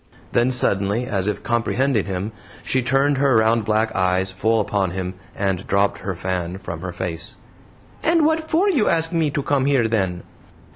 Then suddenly, as if comprehending him, she turned her round black eyes full upon him and dropped her fan from her face. "And WHAT for you ask me to come here then?"